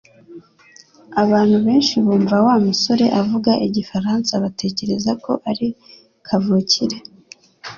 Abantu benshi bumva Wa musore avuga igifaransa batekereza ko ari kavukire